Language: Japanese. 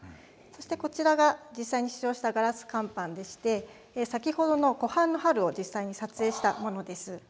そして、こちらが実際に使用したガラス乾板でして、先ほどの湖畔の春を実際に撮影したものです。